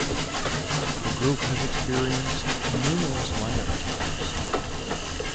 The group has experienced numerous line-up changes.